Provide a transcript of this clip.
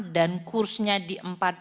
dan kursnya di empat belas tujuh ratus